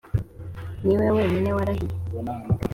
ni we wenyine warahiye